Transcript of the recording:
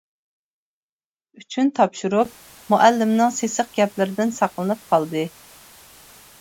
ئۈچۈن تاپشۇرۇپ، مۇئەللىمنىڭ سېسىق گەپلىرىدىن ساقلىنىپ قالدى.